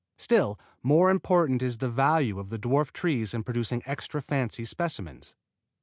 Still more important is the value of the dwarf trees in producing extra fancy specimens.